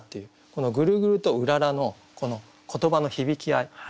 この「ぐるぐる」と「うらら」の言葉の響き合い。